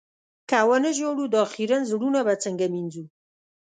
که و نه ژاړو، دا خيرن زړونه به څنګه مينځو؟